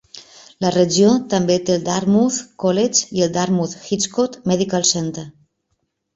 La regió també té el Dartmouth College i el Dartmouth-Hitchcock Medical Center.